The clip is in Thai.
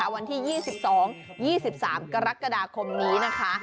วันที่๒๒๒๓กรกฎาคมนี้นะคะ